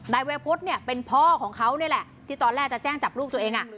นายวัยพฤษเนี่ยเป็นพ่อของเขานี่แหละที่ตอนแรกจะแจ้งจับลูกตัวเอง